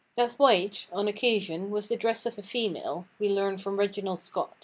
That white, on some occasions, was the dress of a female, we learn from Reginald Scot.